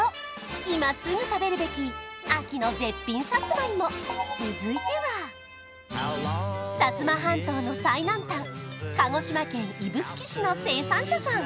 今すぐ食べるべき秋の絶品サツマイモ続いては薩摩半島の最南端鹿児島県指宿市の生産者さん